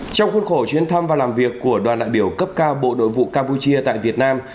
trong khuôn khổ chuyến thăm và làm việc của đoàn đại biểu cấp cao bộ nội vụ campuchia tại việt nam